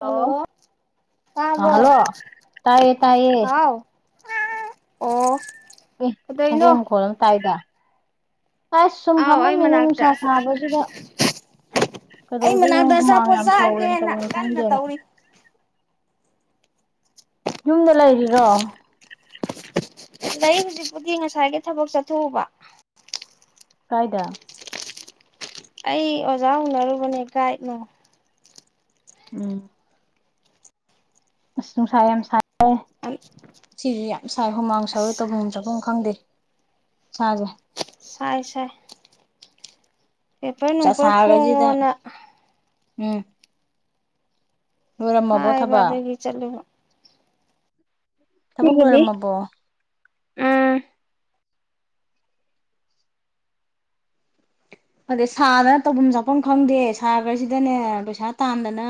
hello hello ꯑ ꯇꯥꯕ꯭ꯔꯣ hello ꯇꯥꯏꯌꯦ ꯇꯥꯏꯌꯦ ꯍꯥꯎ ꯑꯣ ꯑꯦ ꯀꯩꯗꯧꯔꯤꯅꯣ ꯍꯣꯝ ꯈꯣꯜ ꯇꯥꯏꯗ ꯑꯁ ꯁꯨꯝ ꯑꯥꯎ ꯑꯩ ꯐꯝꯃꯝꯃꯤꯅꯦ ꯃꯅꯥꯛꯇ ꯅꯨꯡꯁꯥ ꯁꯥꯕꯁꯤꯗ ꯑꯩ ꯀꯩꯗꯧꯗꯣꯏꯅꯣ ꯃꯅꯥꯛꯇ ꯍꯨꯃꯥꯡ ꯑꯆꯥꯄꯣꯠ ꯌꯥꯝ ꯁꯥꯎꯋꯦꯅ ꯆꯥꯒꯦꯅ ꯇꯧꯅꯤ ꯀꯟꯅ ꯈꯪꯗꯦꯅ ꯇꯧꯔꯤ ꯌꯨꯝꯗ ꯂꯩꯔꯤꯔꯣ ꯂꯩ ꯍꯧꯖꯤꯛꯄꯨꯗꯤ ꯉꯁꯥꯏꯒꯤ ꯊꯕꯛ ꯆꯠꯊꯣꯛꯎꯕ ꯀꯥꯏꯗ ꯑꯩ ꯑꯣꯖꯥ ꯎꯅꯔꯨꯕꯅꯦ ꯒꯥꯏꯗꯅꯣ ꯎꯝ ꯅꯨꯡꯁꯥꯏ ꯌꯥꯝ ꯁ ꯑꯦ ꯁꯤꯁꯨ ꯌꯥꯝ ꯁꯥꯏ ꯍꯨꯃꯥꯡ ꯁꯧꯋꯦ ꯑꯁ ꯇꯧꯐꯝ ꯆꯐꯝ ꯈꯪꯗꯦ ꯆꯥꯖ ꯁꯥꯏꯁꯦ ꯑꯦꯕꯔ ꯅꯨꯡꯁꯥ ꯅꯨꯡꯄ ꯁꯥꯕꯁꯤꯗ ꯐꯣꯡꯉꯣꯅ ꯎꯝ ꯔꯝꯕꯣ ꯍꯥꯏꯕ ꯊꯕ ꯑꯗꯨꯒꯤ ꯆꯠꯂꯨꯕ [inaudible] ꯇꯕ ꯀꯂ ꯁꯤꯒꯤꯗꯤ ꯑꯣꯏꯔꯃ ꯄꯣ ꯎꯝ ꯑꯗꯩ ꯁꯥꯗꯅ ꯇꯧꯐꯝ ꯆꯥꯐꯝ ꯈꯪꯗꯦ ꯁꯥꯈ꯭ꯔꯁꯤꯗꯅꯦ ꯄꯩꯁꯥ ꯇꯥꯟꯗꯅ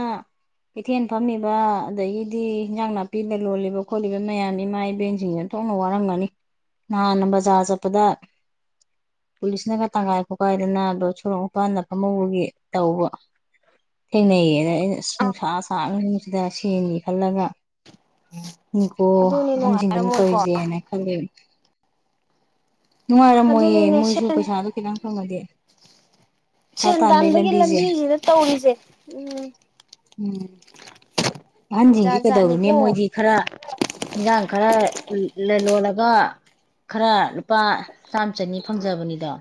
ꯀꯩꯊꯦꯟ ꯐꯝꯃꯤꯕ ꯑꯗꯒꯤꯗꯤ ꯏꯟꯖꯥꯡ ꯅꯥꯄꯤꯗ ꯂꯣꯜꯂꯤꯕ ꯈꯣꯠꯂꯤꯕ ꯃꯌꯥꯝꯅꯤ ꯃꯥꯏ ꯏꯕꯦꯟꯁꯤꯡꯁꯤꯅ ꯊꯣꯛꯅ ꯋꯥꯔꯝꯒꯅꯤ ꯅꯍꯥꯟꯅ ꯕꯖꯥꯔ ꯆꯠꯄꯗ ꯄꯨꯂꯤꯁꯅꯒ ꯇꯪꯒꯥꯏ ꯈꯣꯠꯀꯥꯏ ꯅꯥꯗꯣ ꯁꯣꯔꯣꯛ ꯃꯄꯥꯟꯗ ꯐꯝꯍꯧꯕꯒꯤ ꯇꯧꯕ ꯊꯦꯡꯅꯩꯌꯦ ꯑꯗ ꯑꯩꯅ ꯑꯥ ꯅꯨꯡꯁꯥ ꯁꯥꯥꯛ ꯉꯁꯤꯡꯁꯤꯗ ꯁꯦꯟꯅꯤ ꯈꯜꯂꯒ ꯃꯤꯅꯤꯀꯣ ꯑꯗꯨꯅꯤ ꯑꯍꯟꯁꯤꯡꯁꯤꯅ ꯅꯨꯡꯉꯥꯏꯔꯝꯃꯣꯏꯀꯣ ꯇꯧꯔꯤꯁꯦ ꯍꯥꯏꯅ ꯈꯜꯂꯦꯕ ꯅꯨꯡꯉꯥꯏꯔꯝꯃꯣꯏꯌꯦ ꯑꯗꯨꯅꯤꯅꯦ ꯃꯣꯏꯁꯨ ꯁꯦꯟ ꯄꯩꯁꯥꯗꯣ ꯈꯤꯇꯪ ꯐꯪꯉꯗꯤ ꯄꯩꯁꯥ ꯁꯦꯟ ꯇꯥꯟꯕꯩ ꯇꯥꯟꯕꯒꯤ ꯂꯝꯕꯤꯁꯦ ꯂꯝꯕꯤꯁꯤꯗ ꯇꯧꯔꯤꯁꯦ ꯎꯝ ꯖꯥꯠ ꯑꯍꯟꯁꯤꯡꯁꯤꯦ ꯀꯩꯗꯧꯔꯨꯅꯦ ꯖꯥꯠꯅꯤꯀꯣ ꯃꯣꯏꯗꯤ ꯈꯔ ꯏꯟꯥꯡ ꯍꯥꯡ ꯈꯔ ꯂꯣꯜꯂꯒ ꯈꯔ ꯂꯨꯄꯥ ꯆꯥꯝꯃ ꯆꯅꯤ ꯐꯪꯖꯕꯅꯤꯗꯣ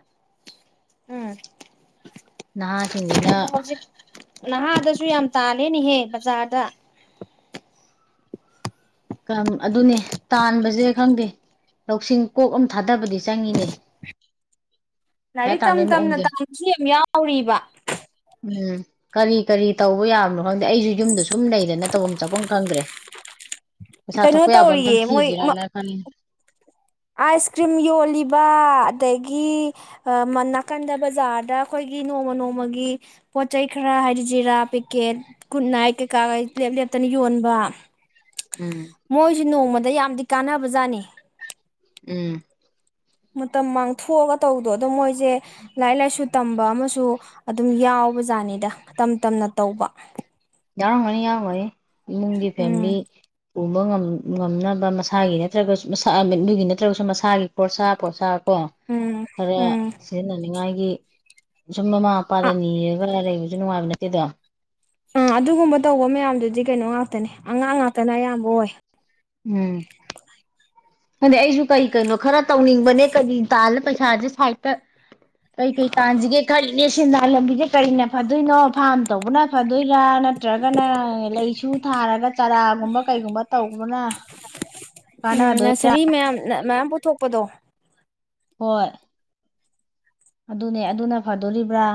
[inaudible] ꯍꯧꯁꯤ ꯅꯍꯥꯗ ꯁꯨ ꯌꯥꯝ ꯇꯥꯜꯂꯦꯅꯦꯍꯦ ꯕꯖꯥꯔꯗ ꯑꯗꯨꯅꯦ ꯇꯥꯟꯕꯁꯦ ꯈꯪꯗꯦ ꯂꯧꯁꯤꯡ ꯀꯣꯛ ꯑꯃ ꯊꯥꯗꯕꯗꯤ ꯆꯪꯉꯤꯅꯦ ꯄꯩꯁꯥ ꯂꯥꯏꯔꯤꯛ ꯇꯝ ꯇꯥꯟꯕꯩ ꯇꯝꯅ ꯃꯑꯣꯡꯁꯦ ꯇꯥꯡꯁꯨ ꯌꯥꯝ ꯌꯥꯎꯔꯤꯕ ꯎꯝ ꯀꯔꯤ ꯀꯔꯤ ꯇꯧꯕ ꯌꯥꯕꯅꯣ ꯈꯪꯗꯦ ꯑꯩꯁꯨ ꯌꯨꯝꯗ ꯁꯨꯝ ꯂꯩꯗꯅ ꯇꯧꯐꯝ ꯆꯠꯐꯝ ꯈꯪꯗ꯭ꯔꯦ ꯄꯩꯁꯥ ꯀꯩꯅꯣ ꯊꯣꯛꯄ ꯌꯥꯕ ꯇꯧꯔꯤꯌꯦ ꯑꯝꯇꯪ ꯃꯣꯏ ꯁꯤꯈꯤꯔꯅ ꯐꯅꯤ ꯑꯥꯏꯁ ꯀ꯭ꯔꯤꯝ ꯌꯣꯜꯂꯤꯕ ꯑꯗꯒꯤ ꯃ ꯅꯥꯀꯟꯗ ꯕꯖꯥꯔꯗ ꯑꯩꯈꯣꯏꯒꯤ ꯅꯣꯡꯃ ꯅꯣꯡꯃꯒꯤ ꯄꯣꯠ ꯆꯩꯩ ꯈꯔ ꯍꯥꯏꯗꯤ ꯖꯤꯔꯥ ꯄꯦꯛꯀꯦꯠ ꯀꯨꯠ ꯅꯥꯏꯠ ꯀꯩꯀꯥ ꯀꯩ ꯂꯦꯞ ꯂꯦꯞꯇꯅ ꯌꯣꯟꯕ ꯎꯝ ꯃꯣꯏꯁꯨ ꯅꯣꯡ ꯃ ꯑꯗ ꯌꯥꯝꯗꯤ ꯀꯥꯟꯅꯕ ꯖꯥꯠꯅꯤ ꯎꯝ ꯃꯇꯝ ꯃꯥꯡꯊꯣꯛꯑꯒ ꯇꯧꯕꯗꯣ ꯑꯗꯣ ꯃꯣꯏꯁꯦ ꯂꯥꯏꯔꯤꯛ ꯂꯥꯏꯁꯨ ꯇꯝꯕ ꯑꯃꯁꯨ ꯑꯗꯨꯝ ꯌꯥꯎꯕ ꯖꯥꯠꯅꯤꯗ ꯇꯝ ꯇꯝꯅ ꯇꯧꯕ ꯌꯥꯅ ꯈꯅꯤ ꯌꯥ ꯃꯥꯏ ꯏꯃꯨꯡꯒꯤ ꯎꯝ ꯐꯦꯃꯤꯂꯤ ꯎꯕ ꯉꯝꯅꯕ ꯃꯁꯥꯒꯤ ꯅꯠꯇ꯭ꯔꯒꯁꯨ ꯃꯁꯥ ꯃꯤꯒꯤ ꯅꯠꯇ꯭ꯔꯒꯁꯨ ꯃꯁꯥꯒꯤ ꯄꯣꯠꯁꯥ ꯄꯣꯠꯁꯥ ꯀꯣ ꯎꯝ ꯈꯔ ꯎꯝ ꯁꯤꯖꯤꯟꯅꯅꯤꯡꯉꯥꯏꯒꯤ ꯁꯨꯝ ꯃꯃꯥ ꯃꯄꯥꯗ ꯅꯤꯔꯒ ꯂ ꯂꯩꯕꯁꯨ ꯅꯨꯡꯉꯥꯏꯕ ꯅꯠꯇ ꯛꯇꯗ ꯑꯥ ꯑꯗꯨꯒꯨꯝꯕ ꯇꯧꯕ ꯃꯌꯥꯝꯗꯨꯗꯤ ꯀꯩꯅꯣ ꯉꯥꯛꯇꯅꯦ ꯑꯉꯥꯡ ꯉꯥꯛꯇꯅ ꯑꯌꯥꯝꯕ ꯑꯣꯏ ꯎꯝ ꯑꯗꯩ ꯑꯩꯁꯨ ꯀꯔꯤ ꯀꯩꯅꯣ ꯈꯔ ꯇꯧꯅꯤꯡꯕꯅꯦ ꯀꯔꯤ ꯇꯥꯜꯂ ꯄꯩꯁꯥꯁꯦ ꯁꯥꯏꯠꯇ ꯀꯩ ꯀꯩ ꯇꯥꯟꯁꯤꯒꯦ ꯈꯜꯂꯤꯅꯦ ꯆ ꯂꯝꯕꯤꯗ ꯀꯔꯤꯅ ꯐꯗꯣꯏꯅꯣ ꯐꯥꯔꯝ ꯇꯧꯕꯅ ꯐꯗꯣꯏꯔꯥ ꯅꯠꯇ꯭ꯔꯒꯅ ꯂꯩꯁꯨ ꯊꯥꯔꯒ ꯆꯥꯔꯥꯒꯨꯝꯕ ꯀꯩꯒꯨꯝꯕ ꯇꯧꯕꯅ ꯀꯥꯟꯅꯗꯣꯏ ꯊ꯭ꯔꯤ ꯃꯌꯥꯝ ꯅ ꯃꯌꯥꯝ ꯄꯨꯊꯣꯛꯄꯗꯣ ꯍꯣꯏ ꯑꯗꯨꯅꯦ ꯑꯗꯨꯅ ꯐꯗꯣꯔꯤꯕ꯭ꯔꯥ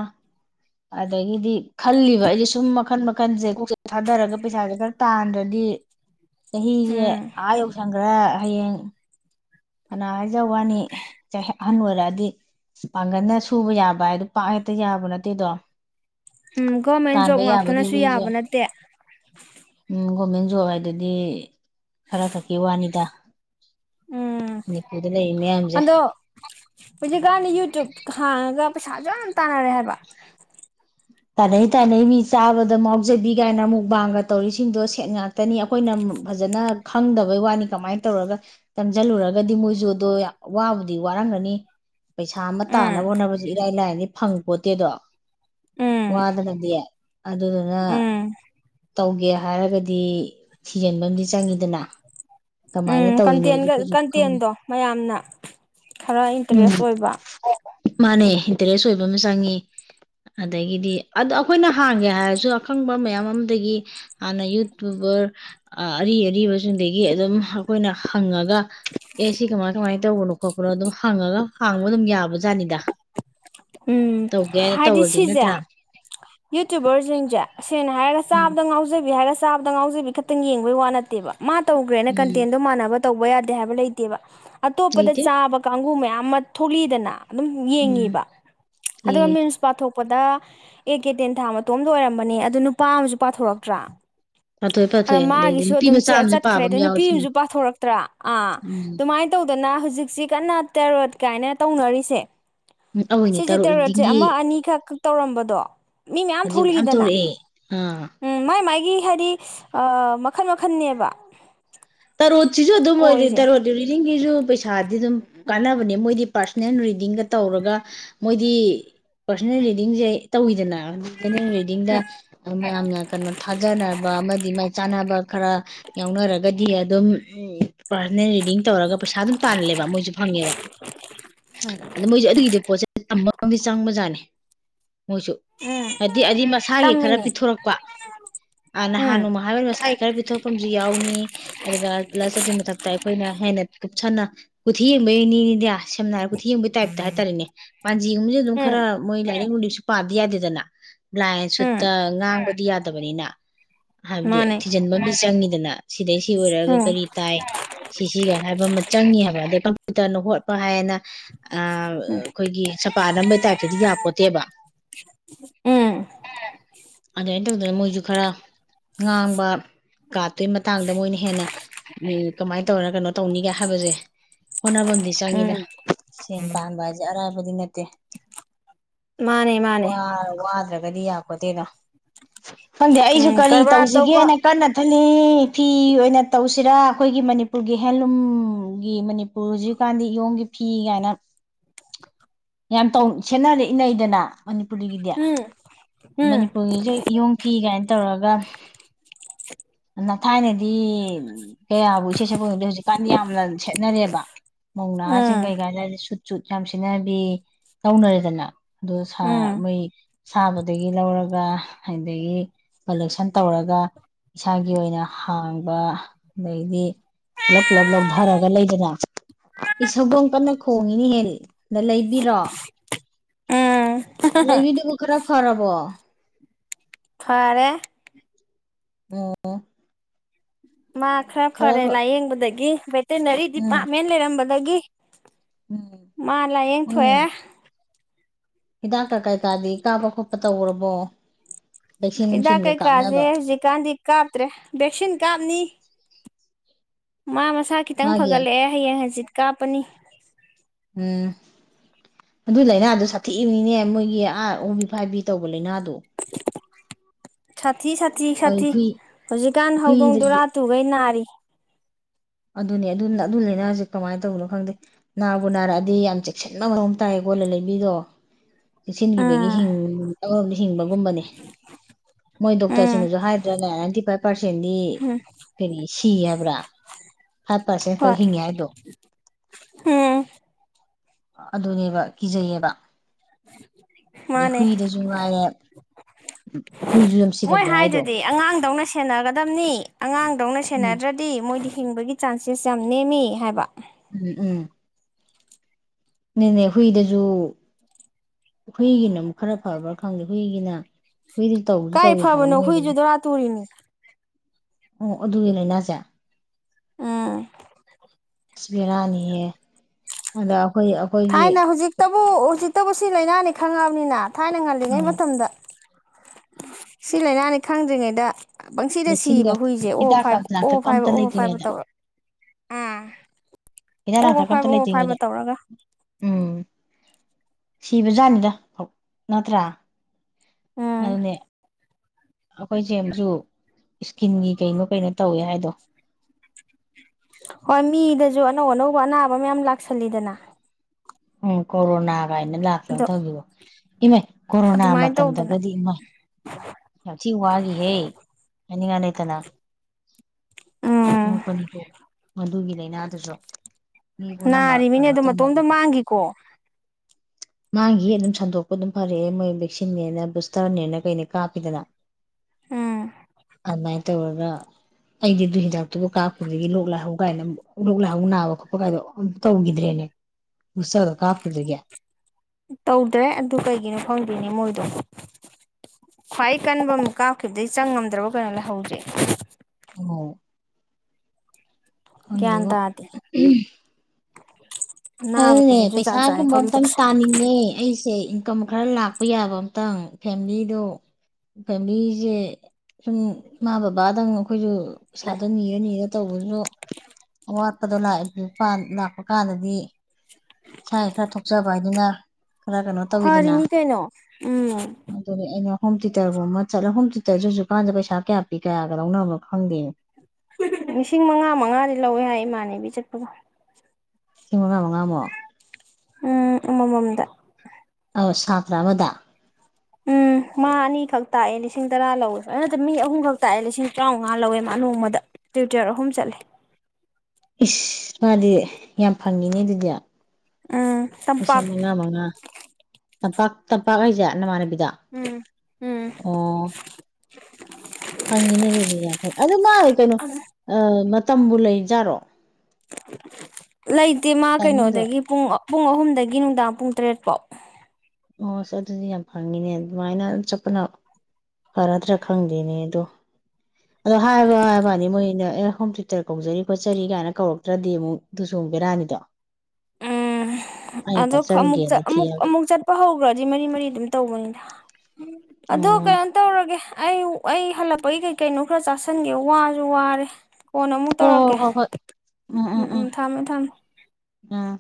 ꯑꯗꯒꯤꯗꯤ ꯈꯜꯂꯤꯕ ꯑꯩꯁꯦ ꯁꯨꯝ ꯃꯈꯟ ꯃꯈꯟꯁꯦ ꯀꯣꯛꯁꯦ ꯊꯥꯗꯔꯒ ꯄꯩꯁꯥꯁꯦ ꯈꯔ ꯇꯥꯟꯗ꯭ꯔꯗꯤ ꯆꯍꯤꯖꯦ ꯎꯝ ꯑꯥ ꯌꯧꯁꯟꯈꯒ꯭ꯔꯦ ꯍꯌꯦꯡ ꯀꯅꯥ ꯍꯥꯏꯖ ꯋꯥꯅꯤ ꯆꯍꯤ ꯑꯍꯟ ꯑꯣꯏꯔꯛꯑꯗꯤ ꯄꯥꯡꯒꯜꯅ ꯁꯨꯕ ꯌꯥꯕ ꯍꯥꯏꯗꯣ ꯄꯥꯛ ꯍꯦꯛꯇ ꯌꯥꯕ ꯅꯠꯇꯦꯗꯣ ꯎꯝ ꯒꯣꯔꯃꯦꯟ ꯇꯥꯟꯕ ꯖꯣꯕ ꯌꯥꯕꯒꯤ ꯉꯥꯛꯇꯅꯁꯨ ꯋꯦꯁꯦ ꯌꯥꯕ ꯅꯠꯇꯦ ꯎꯝ ꯒꯣꯔꯃꯦꯟ ꯖꯣꯕ ꯍꯥꯏꯗꯨꯗꯤ ꯈꯔ ꯈꯛꯀꯤ ꯋꯥꯅꯤꯗ ꯎꯝ ꯃꯅꯤꯄꯨꯔꯗ ꯂꯩꯔꯤ ꯃꯌꯥꯝꯁꯦ ꯑꯗꯣ ꯍꯧꯖꯤꯛꯀꯥꯟꯗꯤ ꯌꯨꯇꯨꯞ ꯍꯥꯡꯉꯒ ꯄꯩꯁꯥꯁꯨ ꯌꯥꯝ ꯇꯥꯟꯅꯔꯦ ꯍꯥꯏꯕ ꯇꯥꯟꯅꯩ ꯇꯥꯟꯅꯩ ꯃꯤ ꯆꯥꯕ ꯗ ꯉꯥꯎꯖꯕꯤ ꯒꯥꯏꯅ ꯃꯨꯛꯕꯥꯡꯒ ꯇꯧꯔꯤꯁꯤꯡꯗꯣ ꯁꯦꯟ ꯉꯥꯛꯇꯅꯤ ꯑꯩꯈꯣꯏꯅ ꯐꯖꯅ ꯈꯪꯗꯕꯩ ꯋꯥꯅꯤ ꯀꯃꯥꯏꯅ ꯇꯧꯔꯒ ꯆꯪꯖꯜꯂꯨꯔꯒꯗꯤ ꯃꯣꯏꯖꯨꯗꯣ ꯋꯥꯕꯨꯗꯤ ꯋꯥꯔꯝꯒꯅꯤ ꯄꯩꯁꯥ ꯑꯃ ꯎꯝ ꯇꯥꯟꯅꯕ ꯍꯣꯠꯅꯕꯁꯤ ꯏꯔꯥꯏ ꯂꯥꯏꯅꯤ ꯐꯪꯄꯣꯠꯇꯦꯗꯣ ꯎꯝ ꯋꯥꯗꯅꯗꯤ ꯑꯗꯨꯗꯨꯅ ꯎꯝ ꯇꯧꯒꯦ ꯍꯥꯏꯔꯒꯗꯤ ꯊꯤꯖꯤꯟꯕ ꯑꯃꯗꯤ ꯆꯪꯉꯤꯗꯅ ꯀꯃꯥꯏꯅ ꯎꯝ ꯇꯧꯔꯤꯅꯣ ꯀꯟꯇꯦꯟꯒ ꯀꯁꯨ ꯈꯪꯉꯤ ꯀꯟꯇꯦꯟꯗꯣ ꯃꯌꯥꯝꯅ ꯈꯔ ꯎꯝ ꯏꯟꯇꯔꯦꯁ ꯑꯣꯏꯕ ꯃꯥꯅꯦ ꯏꯟꯇꯔꯦꯁ ꯑꯣꯏꯕ ꯑꯃ ꯆꯪꯉꯤ ꯑꯗꯒꯤꯗꯤ ꯑꯗ ꯑꯩꯈꯣꯏꯅ ꯍꯥꯡꯒꯦ ꯍꯥꯏꯔꯁꯨ ꯑꯈꯪꯕ ꯃꯌꯥꯝ ꯑꯃꯗꯒꯤ ꯍꯥꯟꯅ ꯌꯨꯇꯨꯕꯔ ꯑꯔꯤ ꯑꯔꯤꯕꯁꯤꯡꯗꯒꯤ ꯑꯗꯨꯝ ꯑꯩꯈꯣꯏꯅ ꯍꯪꯉꯒ ꯑꯦ ꯁꯤ ꯀꯃꯥꯏ ꯀꯃꯥꯏꯅ ꯇꯧꯕꯅꯣ ꯈꯣꯠꯄꯅꯣ ꯑꯗꯨꯝ ꯍꯪꯉꯒ ꯍꯥꯡꯕ ꯑꯗꯨꯝ ꯌꯥꯕ ꯖꯥꯠꯅꯤꯗ ꯎꯝ ꯍꯥꯏꯗꯤꯁꯤ ꯁꯤꯖꯦ ꯌꯨꯇꯨꯕꯔꯁꯤꯡꯖꯦ ꯇꯁꯦꯡꯅ ꯍꯥꯏꯔ ꯎꯝ ꯆꯥꯕꯗ ꯉꯥꯎꯖꯕꯤ ꯍꯥꯏꯔꯒ ꯆꯥꯕꯗ ꯉꯥꯎꯖꯕꯤ ꯈꯛꯇꯪ ꯌꯦꯡꯕꯩ ꯋꯥ ꯅꯠꯇꯦꯕ ꯃꯥ ꯇꯧꯈꯒ꯭ꯔꯦꯅ ꯎꯝ ꯀꯟꯇꯦꯟꯗꯣ ꯃꯥꯟꯅꯕ ꯇꯧꯕ ꯌꯥꯗꯦ ꯍꯥꯏꯕ ꯂꯩꯇꯦꯕ ꯑꯇꯣꯞꯄꯗ ꯂꯩꯇꯦ ꯆꯥꯕ ꯀꯥꯡꯒꯕꯨ ꯃꯌꯥ ꯑꯃꯅ ꯊꯣꯛꯂꯤꯗꯅ ꯑꯗꯨꯝ ꯎꯝ ꯌꯦꯡꯉꯤꯕ ꯑꯗꯨ ꯌꯦꯡꯉꯦ ꯅꯪ ꯁ꯭ꯄꯥꯊꯣ ꯄꯗ ꯑꯦ ꯀꯦ ꯇꯦꯟ ꯊꯥ ꯃꯇꯣꯝꯗ ꯑꯣꯏꯔꯝꯕꯅꯦ ꯑꯗꯨ ꯅꯨꯄꯥ ꯑꯃꯁꯨ ꯄꯥꯊꯣꯔꯛꯇ꯭ꯔꯥ ꯇꯥꯊꯣꯛꯑꯦ ꯑꯗꯣ ꯄꯥꯊꯣꯛꯑꯦ ꯑꯗꯩꯗꯤ ꯃꯥꯒꯤꯁꯨ ꯅꯨꯄꯤ ꯑꯗꯨꯝ ꯃꯆꯥ ꯑꯃꯁꯨ ꯆꯠꯈ꯭ꯔꯦ ꯄꯥꯕ ꯑꯃ ꯑꯗ ꯌꯥꯎꯔꯦ ꯅꯨꯄꯤꯒꯤꯁꯨ ꯊꯦꯡꯅꯩ ꯄꯥꯊꯣꯔꯛꯇ꯭ꯔꯥ ꯑꯥ ꯎꯝ ꯑꯗꯨꯃꯥꯏꯅ ꯇꯧꯗꯅ ꯍꯧꯖꯤꯛꯁꯤ ꯀꯟꯅ ꯇꯔꯣꯠ ꯀꯥꯏꯅ ꯇꯧꯅꯔꯤꯁꯦ ꯑꯑꯣꯏꯅꯦ ꯁꯤꯁꯦ ꯇꯔꯣꯠ ꯇꯦꯔꯦꯠꯁꯦ ꯔꯤꯗꯤꯡꯒꯤ ꯑꯃ ꯑꯅꯤꯈꯛꯛ ꯇꯧꯔꯝꯕꯗꯣ ꯃꯤ ꯃꯌꯥꯝ ꯍꯧꯖꯤꯛ ꯊꯣꯛꯜꯂꯤꯈꯤꯗꯅ ꯊꯣꯛꯂꯛꯑꯦ ꯑꯥ ꯎꯝ ꯃꯥꯏ ꯃꯥꯥꯏꯒꯤ ꯍꯥꯏꯗꯤ ꯃꯈꯜ ꯃꯈꯟꯅꯦꯕ ꯁꯤꯁꯨ ꯑꯗꯨꯝ ꯑꯣꯏꯔ ꯑꯣꯏꯔꯤꯁꯦ ꯇꯔꯣꯗꯤ ꯔꯤꯂꯤꯡꯒꯤꯁꯨ ꯄꯩꯁꯥꯗꯤ ꯑꯗꯨꯝ ꯀꯥꯟꯅꯕꯅꯦ ꯃꯣꯏꯗꯤ ꯄꯥꯔꯁꯅꯦꯜ ꯔꯤꯗꯤꯡꯒ ꯇꯧꯔꯒ ꯃꯣꯏꯗꯤ ꯄꯥꯔꯁꯣꯅꯦꯜ ꯔꯤꯗꯤꯡꯁꯦ ꯇꯧꯋꯤꯗꯅ ꯔꯤꯗꯤꯡꯗ ꯃꯌꯥꯝꯅ ꯀꯩꯅꯣ ꯊꯥꯖꯅꯕ ꯑꯃꯗꯤ ꯃꯥꯏ ꯆꯥꯟꯅꯕ ꯈꯔ ꯌꯥꯎꯅꯔꯒꯗꯤ ꯑꯗꯨꯝ ꯎꯝ ꯄꯥꯔꯁꯣꯅꯦꯜ ꯔꯤꯗꯤꯡ ꯇꯧꯔꯒ ꯄꯩꯁꯥ ꯑꯗꯨꯝ ꯇꯥꯍꯜꯂꯦꯕ ꯃꯣꯏꯁꯨ ꯐꯪꯉꯦꯕ ꯑꯗ ꯃꯣꯏꯁꯨ ꯑꯗꯨꯒꯤꯗꯤ ꯄꯣꯠꯁꯦ ꯊꯝꯕꯝꯗꯤ ꯆꯪꯕꯖꯥꯠꯅꯤ ꯃꯣꯏꯁꯨ ꯎꯝ ꯍꯥꯏꯗꯤ ꯑꯗꯨꯗꯤ ꯃꯁꯥꯒꯤ ꯈꯔ ꯇꯝꯃꯤꯅꯤ ꯄꯤꯊꯣꯔꯛꯄ ꯑ ꯅꯍꯥꯟ ꯎꯝ ꯅꯣꯡꯃ ꯍꯥꯏꯔ ꯃꯁꯥꯒꯤ ꯈꯔ ꯄꯤꯊꯣꯔꯛꯄ ꯑꯃꯁꯨ ꯌꯥꯎꯅꯤ ꯑꯗꯨꯒ ꯂꯁ ꯑꯗꯨꯒꯤ ꯃꯊꯛꯇ ꯑꯩꯈꯣꯏꯅ ꯍꯦꯟꯅ ꯈ ꯁꯥꯟꯅ ꯀꯊꯤꯕꯅꯤꯅꯤꯗꯦ ꯁꯝꯅ ꯍꯥꯏꯔꯕꯗꯤ ꯌꯦꯡꯕꯒꯤ ꯇꯥꯏꯞꯇ ꯍꯥꯏꯇꯥꯔꯦꯅꯦ ꯃꯥꯟꯖ ꯌꯦꯕꯁꯤꯁꯨ ꯑꯗꯨꯝ ꯎꯝ ꯈꯔ ꯃꯣꯏ ꯂꯥꯏ ꯄꯥꯗꯤ ꯌꯥꯗꯗꯅ ꯂ꯭ꯂꯥꯏꯟ ꯎꯝ ꯁꯨꯠꯇ ꯉꯥꯡꯕꯗꯤ ꯌꯥꯗꯕꯅꯤꯅ ꯍꯥꯏꯕꯗꯤ ꯃꯥꯅꯦ ꯊꯤꯖꯤꯟꯕ ꯑꯃ ꯆꯪꯉꯤꯗ ꯅ ꯁꯤꯗꯩ ꯁꯤ ꯑꯣꯏꯔꯛꯑꯒ ꯎꯝ ꯀꯔꯤ ꯇꯥꯏ ꯁꯤꯁꯤꯒ ꯍꯥꯏꯕ ꯑꯃ ꯆꯪꯏ ꯍꯥꯏꯕꯗ ꯇꯅ ꯍꯣꯠꯄ ꯍꯥꯏꯌꯦꯅ ꯑ ꯑꯩꯈꯣꯏꯒꯤ ꯆꯄꯥ ꯑ ꯅꯝꯕꯩ ꯇꯥꯏꯞꯁꯤꯗꯤ ꯌꯥꯄꯣꯠꯇꯦꯕ ꯎꯝ ꯑꯗꯨꯃꯥꯏꯅ ꯇꯧꯗꯅ ꯃꯣꯏꯁꯨ ꯈꯔ ꯉꯥꯡꯕ ꯀꯥꯠꯇꯨꯒꯤ ꯃꯇꯥꯡꯗ ꯃꯣꯏꯅ ꯍꯦꯟꯅ ꯎ ꯀꯃꯥꯏꯅ ꯇꯧꯔ ꯀꯩꯅꯣ ꯇꯧꯅꯤꯒꯦ ꯍꯥꯏꯕꯁꯦ ꯍꯅꯥꯕꯗꯤ ꯆꯪꯉꯗ ꯎꯝ ꯁꯦꯟ ꯇ ꯍꯥꯏꯁꯦ ꯑꯔꯥꯕꯗꯤ ꯅꯠꯇꯦ ꯃꯥꯅꯦ ꯃꯥꯅꯦ ꯋꯥ ꯋꯥ ꯗꯤ ꯌꯥꯀꯣꯠꯇꯦꯗ ꯈꯪꯗꯦ ꯑꯩꯁꯨ ꯎꯝ ꯀꯔꯤ ꯀꯔꯕꯥꯔ ꯇꯧꯕ ꯇꯧꯁꯤꯒꯦꯅ ꯀꯟꯅ ꯊ ꯐꯤ ꯑꯣꯏ ꯑꯩꯅ ꯇꯧꯁꯤꯔꯥ ꯑꯩꯈꯣꯏꯒꯤ ꯃꯅꯤꯄꯨꯔꯒꯤ ꯍꯦꯟꯂꯨꯝꯒꯤ ꯃꯅꯤꯄꯨꯔ ꯍꯧꯖꯤꯛꯀꯥꯟꯗꯤ ꯏꯌꯣꯡꯒꯤ ꯐꯤ ꯀꯥꯏꯅ ꯌꯥꯝ ꯇꯧ ꯁꯦꯠꯅꯔꯛ ꯏꯅꯩꯗꯅ ꯃꯅꯤꯄꯨꯔꯔꯤꯒꯤꯗꯤ ꯎꯝ ꯎꯝ ꯃꯅꯤꯄꯨꯔꯒꯤꯁꯨꯦ ꯏꯌꯣꯡ ꯐꯤ ꯀꯥꯏꯅ ꯇꯧꯔꯒ ꯑꯗꯨꯒꯅ ꯊꯥꯏꯅꯗꯤ ꯀꯌꯥꯕꯨ ꯏꯁꯩꯦ ꯁꯛꯄꯗꯤ ꯍꯧꯖꯤꯛꯀꯥꯟ ꯌꯥꯝꯅ ꯁꯦꯠꯅꯔꯦꯕ ꯎꯝ ꯃꯅꯥꯖꯤꯤꯡꯒꯥꯏꯒ ꯁꯨ ꯁꯨꯠ ꯌꯥꯝ ꯁꯤꯟꯅꯕꯤ ꯇꯧꯅꯔꯦꯗꯅ ꯑꯗꯣ ꯁꯥ ꯎꯝ ꯃꯩ ꯁꯥꯕꯗꯒꯤ ꯂꯧꯔꯒ ꯑꯗꯒꯤ ꯀꯂꯦꯛꯁꯟ ꯇꯧꯔꯒ ꯏꯁꯥꯒꯤ ꯑꯣꯏꯅ ꯍꯥꯡꯕꯥ ꯑꯗꯩꯗꯤ ꯄꯨꯂꯞ ꯄꯨꯂꯞ ꯂꯧꯊꯔꯒ ꯂꯩꯗꯅꯥ ꯏꯁꯗ ꯍꯧꯗ‌ꯣꯡ ꯀꯟꯅ ꯈꯣꯡꯉꯤꯅꯤ ꯍꯦ ꯂꯟꯂꯩꯕꯤꯔꯣ ꯎꯝ ꯂꯩꯕꯤꯗꯨꯕꯨ ꯈꯔ ꯐꯔꯕꯣ ꯐꯔꯦ ꯑꯣ ꯃꯥ ꯈꯔ ꯐꯔꯦ ꯂꯥꯏꯌꯦꯡꯕꯗꯒꯤ [unintelligible] ꯎꯝ ꯗꯤꯄꯥꯃꯦꯟ ꯂꯩꯔꯝꯕ ꯑꯗꯒꯤ ꯎꯝ ꯃꯥ ꯂꯥꯛꯥꯏꯌꯦꯡ ꯊꯣꯛꯑꯦ ꯍꯤꯗꯥꯛꯇ ꯀꯩꯀꯥꯗꯤ ꯀꯥꯕ ꯈꯣꯠꯄ ꯇꯧꯔꯕꯣ ꯍꯤꯗꯥꯛ ꯀꯩꯀꯥꯁꯦ ꯍꯧꯖꯤꯛꯀꯥꯟꯗꯤ ꯀꯥꯞꯇ꯭ꯔꯦ ꯚꯦꯛꯁꯤꯟ ꯀꯥꯄꯤ ꯃꯥ ꯃꯁꯥ ꯁꯥ ꯈꯤꯇꯪ ꯃꯥꯒꯤ ꯐꯒꯠꯂꯛꯑꯦ ꯍꯌꯦꯡ ꯍꯟꯤꯠ ꯀꯥꯄꯅꯤ ꯎꯝ ꯑꯗꯨ ꯂꯥꯏꯅꯥꯗꯨ ꯁꯥꯊꯤꯕꯅꯤꯅꯦ ꯃꯣꯏꯒꯤ ꯑꯥ ꯑꯣꯕꯤ ꯐꯥꯏꯕꯤ ꯇꯧꯕ ꯂꯥꯏꯅꯥꯗꯣ ꯁꯥꯊꯤ ꯁꯥꯊꯤ ꯑꯗꯨ ꯁꯥꯊꯤ ꯍꯨꯏ ꯍꯧꯖꯤꯛꯀꯥꯟ ꯍꯧꯗꯣꯡ ꯍꯨꯏꯗꯁꯨ ꯗꯨꯔꯥ ꯇꯨꯈꯩ ꯅꯥꯔꯤ ꯑꯗꯨꯅꯤ ꯑꯗꯨ ꯑꯗꯨ ꯂꯩꯅꯔꯁ ꯀꯃꯥꯏꯅ ꯇꯧꯕꯅꯣ ꯈꯪꯗꯦ ꯅꯥꯕꯨ ꯅꯥꯔꯛꯑꯗꯤ ꯌꯥꯝ ꯆꯦꯛꯁꯤꯟꯅꯕ ꯃꯔꯣꯝ ꯇꯥꯏꯌꯦꯀꯣꯂ ꯂꯩꯕꯤꯗꯣ ꯆꯦꯛꯁꯤꯟꯈꯤꯕꯒꯤ ꯑꯥ ꯍꯤꯡ ꯑꯃꯔꯣꯝꯗ ꯍꯤꯡꯕꯒꯨꯝꯕꯅꯦ ꯃꯣꯏ ꯎꯝ ꯗꯣꯛꯇꯔꯁꯤꯡꯅꯁꯨ ꯍꯥꯏꯗ꯭ꯔꯅꯦ ꯅꯥꯏꯟꯇꯤ ꯐꯥꯏꯚ ꯄꯥꯔꯁꯦꯟꯗꯤ ꯎꯝ ꯀꯔꯤ ꯁꯤ ꯍꯥꯏꯕ꯭ꯔꯥ ꯍꯥꯞꯥ ꯄꯥꯔꯁꯦꯟ ꯈꯛ ꯍꯣꯏ ꯍꯤꯡꯉꯦ ꯍꯥꯏꯗꯣ ꯎꯝ ꯑꯗꯨꯅꯦꯕ ꯀꯤꯖꯩꯌꯦꯕ ꯑꯗꯩ ꯃꯥꯅꯦ ꯍꯨꯏꯗꯁꯨ ꯉꯥꯏꯔꯦ ꯍꯨꯏꯁꯨ ꯌꯥꯝ ꯃꯣꯏ ꯁꯤꯒꯜꯂꯦ ꯍꯥꯏꯗꯣ ꯍꯥꯏꯗꯗꯤ ꯑꯉꯥꯡꯗꯧꯅ ꯁꯦꯟꯅꯒꯗꯕꯅꯤ ꯑꯉꯥꯡꯗꯧꯅ ꯎꯝ ꯁꯦꯟꯅꯗ꯭ꯔꯗꯤ ꯃꯣꯏꯗꯤ ꯍꯤꯡꯕꯒꯤ ꯆꯥꯟꯁꯦꯁ ꯌꯥꯝꯅ ꯅꯦꯝꯃꯤ ꯍꯥꯏꯕ ꯎꯝ ꯎꯝ ꯅꯅꯦ ꯍꯨꯏꯗꯁꯨ ꯍꯨꯏꯒꯤꯅ ꯑꯃꯨꯛ ꯈꯔ ꯐꯕ꯭ꯔꯥ ꯈꯪꯗꯦ ꯍꯨꯏꯒꯤꯅ ꯍꯨꯏꯗꯤ ꯇꯧꯁꯨ ꯀꯥꯏ ꯇꯧꯏ ꯍꯥꯏ ꯐꯕꯅꯣ ꯃꯣꯏꯗꯤ ꯍꯨꯏꯁꯨꯨ ꯗ‌ꯣꯔꯥ ꯇꯨꯔꯤꯅꯤ ꯑꯣ ꯑꯗꯨꯒꯤ ꯂꯩꯅꯥꯁꯦ ꯎꯝ ꯑꯁꯕꯤꯔꯅꯤꯌꯦ ꯑꯗꯥ ꯊꯥꯏꯅ ꯍꯧꯖꯤꯛ ꯇꯕꯨ ꯍꯧꯖꯤ ꯐꯠꯇꯕꯁꯤ ꯂꯥꯏꯅꯥꯅꯤ ꯈꯪꯉꯕꯅꯤꯅ ꯊꯥꯏꯅ ꯉꯜꯂꯤꯉꯩ ꯃꯇꯝꯗ ꯁꯤꯂꯥꯏꯅ ꯑꯅꯤ ꯈꯪꯗ꯭ꯔꯤꯉꯩꯗ ꯄꯪꯁꯤꯗ ꯁꯤꯕ ꯚꯦꯛꯁꯤꯟꯒ ꯍꯨꯏꯁꯦ ꯑꯣ ꯍꯤꯗꯥꯛꯀ ꯐꯕ ꯑꯣ ꯂꯥꯡꯊꯛꯀ ꯐꯥꯏꯕ ꯑꯝꯇ ꯑꯣ ꯐꯥꯏꯕ ꯂꯩꯇ꯭ꯔꯤꯉꯩꯗ ꯇꯧꯔ ꯑꯥ ꯍꯤꯗꯥꯛ ꯑꯣ ꯑꯣ ꯂꯥꯡꯊꯛꯀ ꯐꯥꯏꯕ ꯑꯝꯇ ꯑꯣ ꯐꯥꯏꯕ ꯂꯩꯇ꯭ꯔꯤꯉꯩꯗ ꯇꯧꯔꯒ ꯎꯝ ꯁꯤꯕꯖꯥꯠꯅꯤꯗ ꯐꯥꯎ ꯅꯠꯇ꯭ꯔꯥ ꯎꯝ ꯑꯗꯨꯅꯦ ꯑꯩꯈꯣꯏ ꯁꯦꯝꯦꯝꯁꯨ ꯏꯁꯀꯤꯟꯒꯤ ꯀꯩꯅꯣ ꯀꯩꯅꯣ ꯇꯧꯋꯦ ꯍꯥꯏꯗꯣ ꯍꯣꯏ ꯃꯤꯗꯁꯨ ꯑꯅꯧ ꯑꯅꯧꯕ ꯑꯅꯥꯕ ꯃꯌꯥꯝ ꯂꯥꯛꯁꯜꯂꯤꯗꯅ ꯎꯝ ꯀꯣꯔꯣꯅꯥ ꯀꯃꯥꯏꯅ ꯑꯗꯣ ꯂꯥꯛꯈꯤꯕꯣꯅ ꯇꯧꯈꯤꯕꯣ ꯏꯃꯥꯏ ꯀꯣꯔꯣꯅꯥ ꯑꯗꯨꯃꯥꯏꯅ ꯇꯧꯗꯅ ꯃꯇꯝꯗꯒꯗꯤ ꯏꯃꯥꯏ ꯌꯥꯝ ꯊꯤ ꯋꯥꯈꯤꯍꯦ ꯅꯤꯡ ꯉꯅꯩꯇꯅ ꯑꯣ ꯎꯝ ꯐꯅꯤꯀꯣ ꯃꯗꯨꯒꯤ ꯂꯥꯏꯅꯥꯗꯨꯠꯇ꯭ꯔꯣ ꯃꯤ ꯄꯨꯝꯅꯃꯛ ꯀꯩꯅꯣ ꯇꯧꯅꯕꯗꯣ ꯀꯣ ꯃꯥꯡꯈꯤ ꯑꯗꯨꯝ ꯁꯟꯗꯣꯛꯄ ꯑꯗꯨꯝ ꯐꯔꯛꯑꯦ ꯃꯣꯏ ꯚꯦꯛꯁꯤꯟꯅꯦꯅ ꯕꯨꯁꯇꯔꯅꯦꯅ ꯀꯩꯩꯅ ꯀꯥꯞꯈꯤꯗꯅ ꯎꯝ ꯑꯃꯥꯏ ꯇ ꯑꯣꯏꯗ ꯑꯩꯗꯤ ꯑꯗꯨ ꯍꯤꯗꯥꯛꯇꯨꯕꯨ ꯀꯥꯞꯈꯤꯕꯗꯒꯤ ꯂꯣꯛ ꯂꯥꯏꯍꯥꯎ ꯀꯥꯏꯅ ꯂꯣꯛ ꯂꯥꯏꯍꯥꯎ ꯅꯥꯕ ꯈꯣꯠꯄ ꯀꯥꯏꯗꯣ ꯑꯃ ꯇꯧꯈꯤꯗ꯭ꯔꯦꯅꯦ ꯎꯁꯗ ꯀꯥꯄꯗꯒꯦ ꯇꯧꯗ꯭ꯔꯦ ꯑꯗꯨ ꯀꯩꯒꯤꯅꯣ ꯐꯪꯗꯣꯏꯅꯦ ꯃꯣꯏꯗꯣ ꯈ꯭ꯋꯥꯏ ꯀꯟꯕ ꯑꯃꯨ ꯀꯥꯞꯈꯤꯕꯗꯒꯤꯩ ꯆꯪꯉꯝꯗ꯭ꯔꯕ ꯀꯩꯅꯣ ꯂꯩꯍꯧꯗ꯭ꯔꯦ ꯑꯣ ꯍꯗꯦ ꯒ꯭ꯌꯥꯟ ꯋꯥ ꯇꯥꯗꯦ ꯑꯗꯨꯅꯦ ꯑꯅꯥꯕꯁꯤꯁꯨ ꯖꯥꯠ ꯖꯥꯠꯅꯤ ꯄꯩꯁꯥꯒꯨꯝꯕ ꯊꯣꯛꯂꯤꯁꯦ ꯑꯝꯇꯪ ꯇꯥꯅꯤꯡꯉꯦ ꯑꯩꯁꯦ ꯏꯀꯝ ꯈꯔ ꯂꯥꯛꯄ ꯌꯥꯕ ꯑꯃꯝꯇꯪ ꯐꯦꯂꯤꯗꯣ ꯐꯦꯂꯤꯁꯦ ꯁꯨꯝ ꯏꯃꯥ ꯕꯕꯥꯗꯪ ꯑꯩꯈꯣꯏꯁꯨ ꯄꯩꯁꯥꯗ ꯅꯤꯔ ꯅꯤꯔ ꯇꯧꯕꯁꯨ ꯑꯋꯥꯠꯄꯗꯣ ꯂꯥꯛꯑꯦꯕ ꯂꯥꯛꯄ ꯀꯥꯟꯗꯗꯤ ꯆꯥꯏ ꯈꯔ ꯊꯣꯛꯆꯕ ꯍꯥꯏꯗꯨꯅ ꯈꯔ ꯀꯩꯅꯣ ꯇꯧꯋꯤꯗꯅ ꯐꯔꯤꯅꯤ ꯀꯩꯅꯣ ꯎꯝ ꯑꯗꯨꯒꯤ ꯑꯩꯅ ꯍꯣꯝ ꯇꯤꯨꯇꯔꯒꯨꯝꯕ ꯆꯠꯂ ꯍꯣꯝ ꯇꯤꯦꯇꯔ ꯍꯧꯖꯤꯛꯀꯥꯟꯗ ꯄꯩꯁꯥ ꯀꯌꯥ ꯄꯤ ꯀꯌꯥꯒꯗꯧꯅꯕ ꯈꯪꯗꯦ ꯂꯤꯁꯤꯡ ꯃꯉꯥ ꯃꯉꯥꯗꯤ ꯂꯧꯋꯦ ꯍꯥꯏ ꯏꯃꯥꯟꯅꯕꯤ ꯆꯠꯄꯒ ꯆꯍꯤꯁꯤꯡ ꯃꯉꯥ ꯃꯉꯥ ꯑꯃꯣ ꯎꯝ ꯎꯃꯃꯝꯗ ꯁ ꯐ꯭ꯔ ꯑꯃꯗꯗꯥ ꯎꯝ ꯃꯥ ꯑꯅꯤꯈꯛ ꯇꯥꯛꯑꯦ ꯂꯤꯁꯤꯡ ꯇꯔꯥ ꯂꯧꯋꯦ ꯑꯗꯨ ꯅꯗ ꯃꯤ ꯑꯍꯨꯝꯈꯛ ꯇꯥꯛꯑꯦ ꯂꯤꯁꯤꯡ ꯇꯔꯥꯃꯉꯥ ꯂꯧꯋꯦ ꯃꯥ ꯅꯣꯡꯃꯗ ꯇ꯭ꯌꯨꯇꯔ ꯑꯍꯨꯝ ꯆꯠꯂꯦ ꯏꯁꯁ ꯃꯥꯗꯤ ꯌꯥꯝ ꯐꯪꯉꯤꯅꯦ ꯑꯗꯨꯗꯤ ꯎꯝ ꯁꯤꯡ ꯇꯝꯄꯥꯛ ꯃꯅ ꯑꯃꯅ ꯇꯝꯄꯥꯛ ꯇꯝꯄꯥꯛ ꯍꯖꯦꯠꯅꯃꯥꯟꯅꯕꯤ ꯎꯝ ꯎꯝ ꯆ ꯍꯪꯅꯦ ꯑꯗꯨꯗꯤ ꯌꯥ ꯑꯗꯨ ꯃꯥ ꯀꯩꯅꯣ ꯑ ꯃꯇꯝꯕꯨ ꯂꯩꯖꯥꯔꯣ [inaudible] ꯂꯩꯇꯦ ꯃꯥ ꯇꯥꯏꯃꯤꯡꯗꯣ ꯀꯩꯅꯣꯗꯒꯤ ꯄꯨꯡ ꯄꯨꯡ ꯑꯍꯨꯝꯗꯒꯤ ꯅꯨꯡꯗꯥꯡ ꯄꯨꯡ ꯇꯔꯦꯠꯐꯥꯎ ꯑꯣ ꯑꯁ ꯑꯗꯨꯗꯤ ꯌꯥꯝ ꯐꯪꯉꯤꯅꯦ ꯑꯗꯨꯃꯥꯏꯅ ꯑꯗꯨ ꯆꯞꯄꯅ ꯐꯔꯠꯇ꯭ꯔꯥ ꯈꯪꯗꯦꯅꯦ ꯑꯗꯣ ꯑꯗꯣ ꯍꯥꯏꯕ ꯍꯥꯏꯕꯅꯤ ꯃꯣꯏꯅ ꯑꯦ ꯍꯣꯝ ꯊꯤꯨꯇꯔ ꯀꯧꯖꯔꯤ ꯈꯣꯠꯆꯔꯤ ꯀꯥꯏꯅ ꯀꯧꯔꯛꯇ꯭ꯔꯗꯤ ꯑꯃꯨꯛ ꯑꯗꯨ ꯆꯣꯡꯒꯦꯔꯥꯅꯤꯗꯣ ꯑꯗ ꯑꯃꯨ ꯑꯃꯨꯛ ꯑꯃꯨꯛ ꯆꯠ ꯂꯄ ꯍꯧꯈ꯭ꯔꯗꯤ ꯃꯔꯤ ꯃꯔꯤ ꯑꯗꯨꯝ ꯇꯧꯕꯅꯤꯗ ꯑꯗꯣ ꯑꯣ ꯀꯩꯅꯣ ꯇꯧꯔꯒꯦ ꯑꯩ ꯑꯩ ꯍꯜꯂꯛꯄꯒꯤ ꯀꯩ ꯀꯩꯅꯣ ꯈꯔꯥ ꯆꯥꯥꯁꯟꯒꯦ ꯋꯥꯁꯨ ꯋꯥꯔꯦ ꯐꯣꯟ ꯑꯃꯨꯛ ꯍꯣ ꯇꯧꯔꯛꯀꯦ ꯍꯣ ꯍꯣ ꯍꯣꯏ ꯎꯝ ꯎꯝ ꯊꯝꯃꯦ ꯊꯝꯃꯦ ꯑꯥ